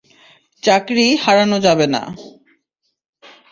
চাকরি হারানো যাবে না।